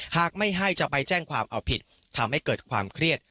หากไม่ให้จะไปแจ้งความเอาผิดทำให้เกิดความเครียด